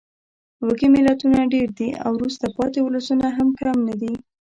وږې ملتونه ډېر دي او وروسته پاتې ولسونه هم کم نه دي.